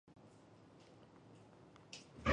可分为岩岸与沙岸。